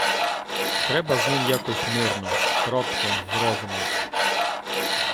Треба з ним якось мирно, кротко, з розумом...